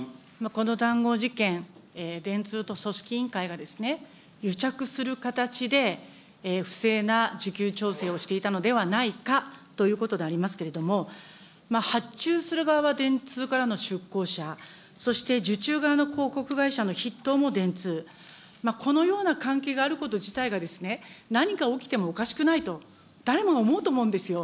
この談合事件、電通と組織委員会がですね、癒着する形で、不正な需給調整をしていたのではないかということでありますけれども、発注する側は電通からの出向者、そして受注側の広告会社の筆頭も電通、このような関係があること自体がですね、何か起きてもおかしくないと、誰もが思うと思うんですよ。